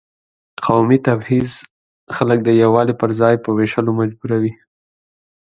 قومي تبعیض خلک د یووالي پر ځای په وېشلو مجبوروي.